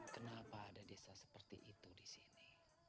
kenapa ada desa seperti itu di sini